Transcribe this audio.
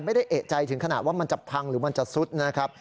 ไม่ได้เอกใจถึงขนาดว่ามันจะพังหรือมันจะซุดนะครับ